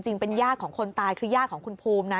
เป็นญาติของคนตายคือญาติของคุณภูมินะ